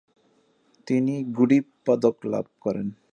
তিনি গুডিভ পদক লাভ করেন।